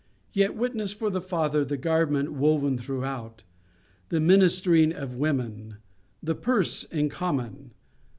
Yet witness for the Father the garment woven throughout; the ministering of women; the purse in common!